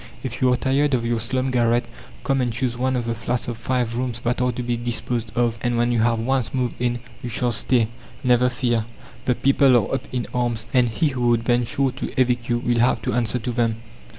If you are tired of your slum garret, come and choose one of the flats of five rooms that are to be disposed of, and when you have once moved in you shall stay, never fear. The people are up in arms, and he who would venture to evict you will have to answer to them."